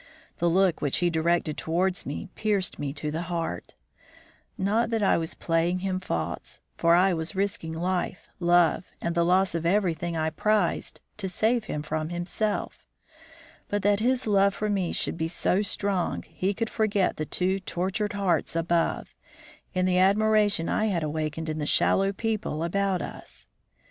The look which he directed to wards me pierced me to the heart; not that I was playing him false, for I was risking life, love and the loss of everything I prized, to save him from himself; but that his love for me should be so strong he could forget the two tortured hearts above, in the admiration I had awakened in the shallow people about us.